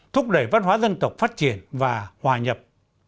thúc đẩy văn hóa dân tộc phát triển và hòa nhập